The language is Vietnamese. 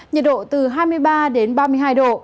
nhiệt độ từ hai mươi ba đến ba mươi hai độ